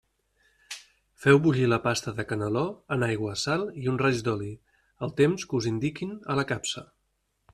Feu bullir la pasta de caneló en aigua, sal i un raig d'oli, el temps que us indiquin a la capsa.